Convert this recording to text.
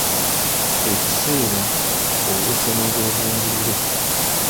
Ekiseera, oluse n’obwebungulule